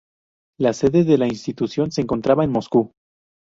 La sede de la institución se encontraba en Moscú.